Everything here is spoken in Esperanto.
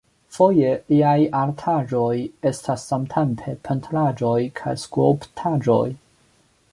Foje liaj artaĵoj estas samtempe pentraĵoj kaj skulptaĵoj.